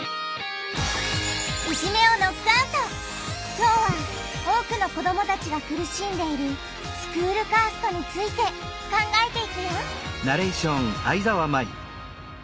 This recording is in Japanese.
きょうは多くの子どもたちがくるしんでいるスクールカーストについて考えていくよ